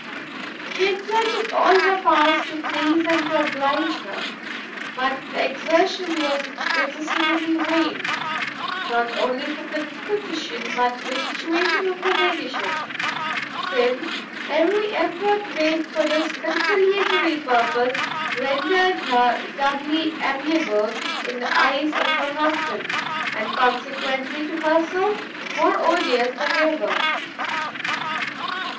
She exerted all her powers to please and to oblige her; but the exertion was necessarily vain, not only from the disposition, but the situation of her ladyship, since every effort made for this conciliatory purpose, rendered her doubly amiable in the eyes of her husband, and consequently to herself more odious than ever.